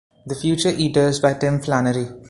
"The Future Eaters" by Tim Flannery.